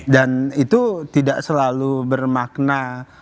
dan itu tidak selalu bermakna